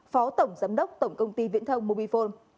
phó tổng giám đốc tổng công ty viễn thông mobifone